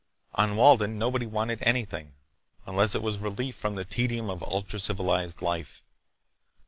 On Walden nobody wanted anything, unless it was relief from the tedium of ultra civilized life.